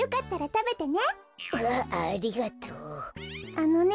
あのね